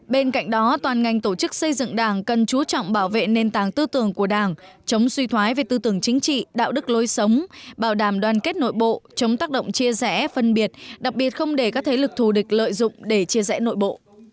bên cạnh đó toàn ngành tổ chức xây dựng đảng cần chú trọng bảo vệ nền tảng tư tưởng của đảng chống suy thoái về tư tưởng chính trị đạo đức lối sống bảo đảm đoàn kết nội bộ chống tác động chia rẽ phân biệt đặc biệt không để các thế lực thù địch lợi dụng để chia rẽ nội bộ